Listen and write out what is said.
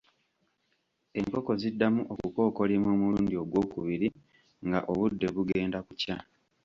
Enkoko ziddamu okukookolima omulundi ogwokubiri nga obudde bugenda kukya.